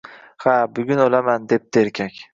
Ha, bugun o`laman, debdi erkak